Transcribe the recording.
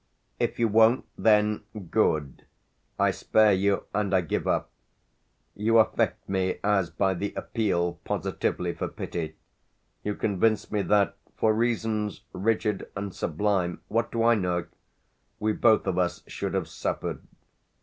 "If you won't then good: I spare you and I give up. You affect me as by the appeal positively for pity: you convince me that for reasons rigid and sublime what do I know? we both of us should have suffered.